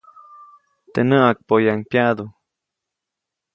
Teʼ näʼakpoyaʼuŋ pyaʼdu.